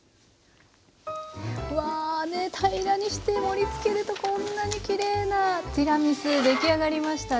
うわねえ平らにして盛りつけるとこんなにきれいなティラミス出来上がりました。